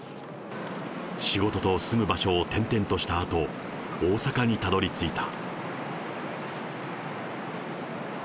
仕事と住む場所を転々としたあと、大阪にたどりついた。